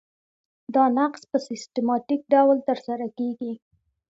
دا نقض په سیستماتیک ډول ترسره کیږي.